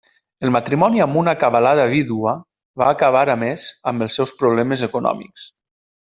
El matrimoni amb una acabalada vídua va acabar a més amb els seus problemes econòmics.